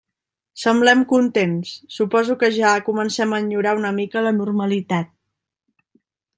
Semblem contents, suposo que ja comencem a enyorar una mica la normalitat.